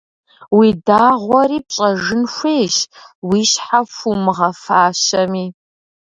Уи дагъуэри пщӀэжын хуейщ, уи щхьэ хуумыгъэфащэми.